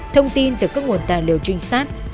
thông tin từ các nguồn tài liệu trinh sát